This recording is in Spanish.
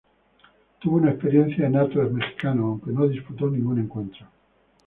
Tuvo una experiencia en Atlas mexicano aunque no disputó ningún encuentro.